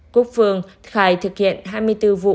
quốc phương khai thực hiện hai mươi bốn vụ